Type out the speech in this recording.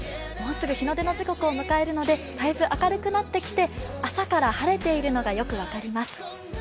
もうすぐ日の出の時刻を迎えるので、だいぶ明るくなってきて、朝から晴れているのがよく分かります。